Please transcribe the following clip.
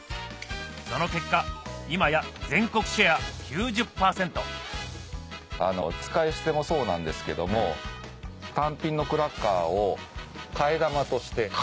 その結果今や全国シェア９０％使い捨てもそうなんですけども単品のクラッカーを。